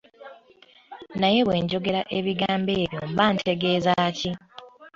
Naye bwe njogera ebigambo ebyo mba ntegeeza ki?